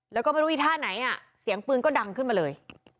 แล้วก็ไม่รู้อีท่าไหนอ่ะเสียงปืนก็ดังขึ้นมาเลย